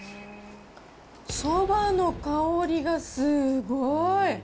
そばの香りがすごい！